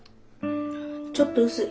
ちょっと薄い。